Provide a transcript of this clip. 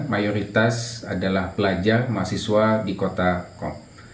mayoritas adalah pelajar mahasiswa di kota kong